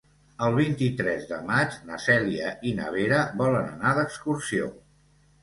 El vint-i-tres de maig na Cèlia i na Vera volen anar d'excursió.